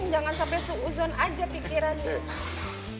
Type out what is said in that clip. jangan sampai suuzon aja pikirannya